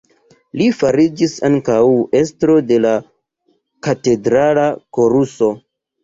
Li fariĝis ankaŭ estro de la katedrala koruso.